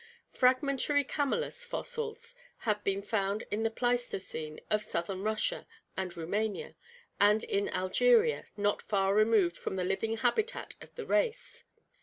Fragmentary Camelus fossils have been found in the Pleistocene of southern Russia and Roumania, and in Algeria not far removed from the living habitat of the race.